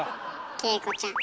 景子ちゃん。